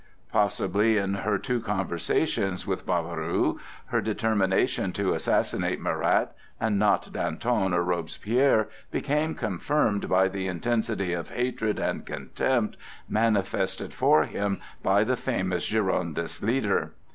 Possibly in her two conversations with Barbaroux her determination to assassinate Marat, and not Danton or Robespierre, became confirmed by the intensity of hatred and contempt manifested for him by the famous Girondist leader.